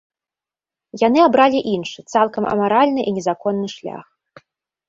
Яны абралі іншы, цалкам амаральны і незаконны шлях.